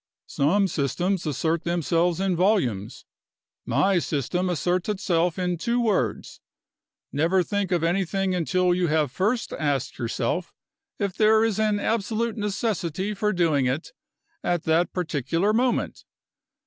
Some systems assert themselves in volumes my system asserts itself in two words: Never think of anything until you have first asked yourself if there is an absolute necessity for doing it, at that particular moment.